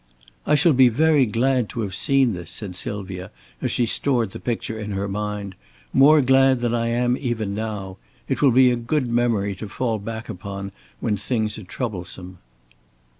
"I shall be very glad to have seen this," said Sylvia, as she stored the picture in her mind, "more glad than I am even now. It will be a good memory to fall back upon when things are troublesome."